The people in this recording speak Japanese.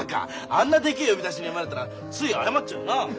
あんなでけえ呼出に呼ばれたらつい謝っちゃうよな。